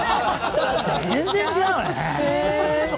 全然違うよね。